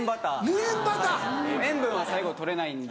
塩分は最後取れないんで。